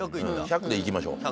１００でいきましょう。